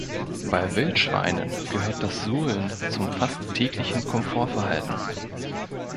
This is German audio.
Bei Wildschweinen gehört das Suhlen zum fast täglichen Komfortverhalten.